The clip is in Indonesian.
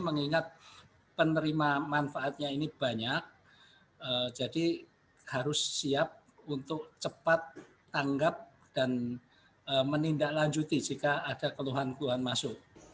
mengingat penerima manfaatnya ini banyak jadi harus siap untuk cepat tanggap dan menindaklanjuti jika ada keluhan keluhan masuk